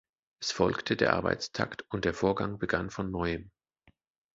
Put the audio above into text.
Es folgte der Arbeitstakt und der Vorgang begann von neuem.